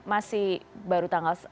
masih baru tanggal